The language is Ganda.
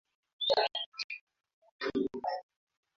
Asabye Museveni awerebwe obutaddamu kwesimbawo kwonna.